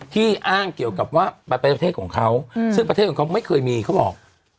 ที่อ้างเกี่ยวกับว่าไปประเทศของเขาซึ่งประเทศของเขาไม่เคยมีเขาบอก